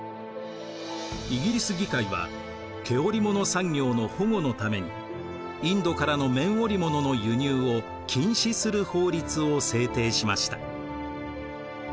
イギリス議会は毛織物産業の保護のためにインドからの綿織物の輸入を禁止する法律を制定しました。